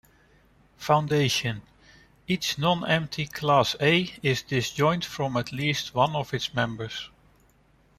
Foundation: Each nonempty class "A" is disjoint from at least one of its members.